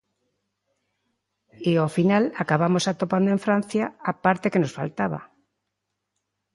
E ao final acabamos atopando en Francia a parte que nos faltaba.